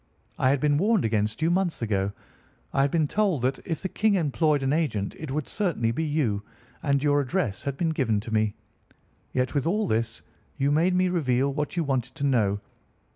I had been warned against you months ago. I had been told that, if the King employed an agent, it would certainly be you. And your address had been given me. Yet, with all this, you made me reveal what you wanted to know.